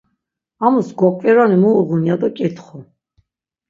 Amus goǩvironi mu uğun ya do ǩitxu.